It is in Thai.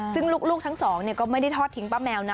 ซึ่งลูกทั้งสองก็ไม่ได้ทอดทิ้งป้าแมวนะ